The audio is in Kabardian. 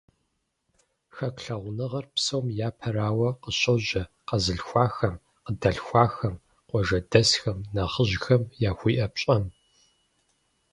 Хэку лъагъуныгъэр, псом япэрауэ, къыщожьэ къэзылъхуахэм, къыдалъхуахэм, къуажэдэсхэм, нэхъыжьхэм яхуиӏэ пщӏэм.